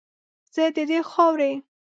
زه ددې خاورې